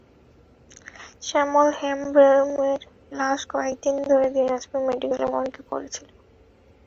শ্যামল হেমব্রমের লাশ কয়েক দিন ধরে দিনাজপুর মেডিকেলের মর্গে পড়ে ছিল।